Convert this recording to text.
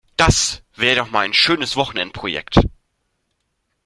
Das wäre doch mal ein schönes Wochenendprojekt!